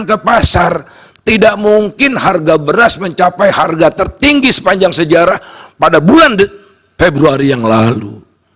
ke pasar tidak mungkin harga beras mencapai harga tertinggi sepanjang sejarah pada bulan februari yang lalu